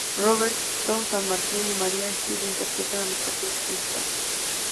Roberto San Martín y María Esteve interpretan los papeles principales.